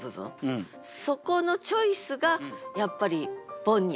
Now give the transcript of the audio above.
そこのチョイスがやっぱりボンに。